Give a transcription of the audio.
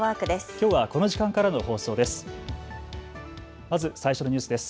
きょうはこの時間からの放送です。